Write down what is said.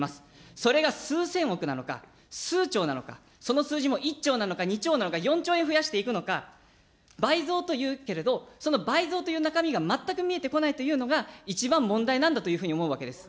それが数千億なのか、数兆なのか、その数字も１兆なのか、２兆なのか、４兆円増やしていくのか、倍増というけれども、その倍増という中身が全く見えてこないというのが一番問題なんだというふうに思うわけです。